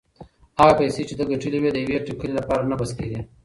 هغه پیسې چې ده ګټلې وې د یوې ټکلې لپاره نه بس کېدې.